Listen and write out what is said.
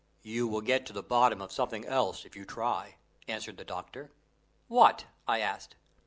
"You will get to the bottom of something else if you try," answered the doctor. "What?" I asked.